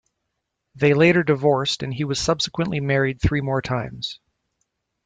They later divorced and he was subsequently married three more times.